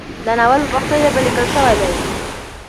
دا ناول په پښتو ژبه لیکل شوی دی.